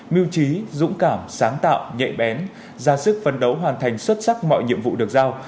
mưu trí dũng cảm sáng tạo nhẹ bén ra sức phấn đấu hoàn thành xuất sắc mọi nhiệm vụ được giao